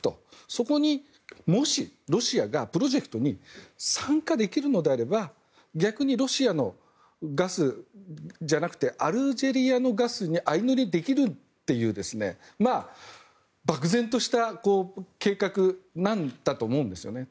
そこに、もしロシアがプロジェクトに参加できるのであれば逆にロシアのガスじゃなくてアルジェリアのガスに相乗りできるという漠然とした計画なんだと思いますね。